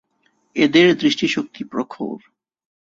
এদের দৃষ্টিশক্তি প্রখর।